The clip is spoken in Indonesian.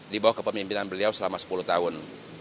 di bawah kepemimpinan beliau selama sepuluh tahun